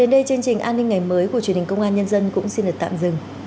đến đây chương trình an ninh ngày mới của truyền hình công an nhân dân cũng xin được tạm dừng